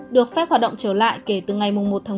được phép hoạt động trở lại kể từ ngày một một mươi